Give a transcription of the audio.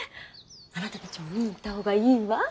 あなたたちも見に行った方がいいわ。